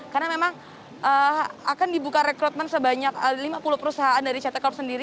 karena memang akan dibuka rekrutmen sebanyak lima puluh perusahaan dari ct corp sendiri